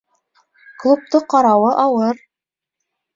Клубты ҡарауы ауыр...